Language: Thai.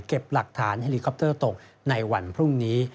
หลักฐานเฮลิคอปเตอร์ตกในวันพรุ่งนี้